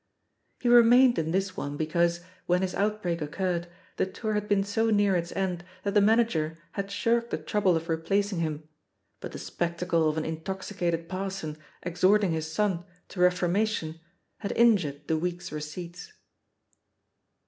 He remained in this one because, when his out break occurred, the tour had been so near its end that the manager had shirked ihe trouble of re placing him, but the spectacle of an intoxicated parson exhorting his son to reformation had in jured the week's receipts.